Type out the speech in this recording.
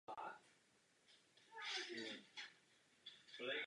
Terapie nemoci neexistuje.